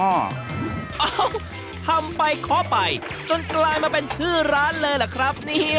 เอ้าทำไปเคาะไปจนกลายมาเป็นชื่อร้านเลยล่ะครับเนี่ย